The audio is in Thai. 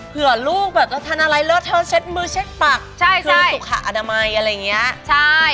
เผื่อลูกแบบเราทานอะไรเลอะเธอเช็ดมือเช็ดปักเพื่อสุขอนามัยอะไรอย่างเงี้ยใช่